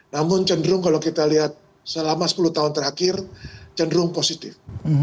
namun cenderung kalau kita lihat selama sepuluh tahun terakhir cenderung positif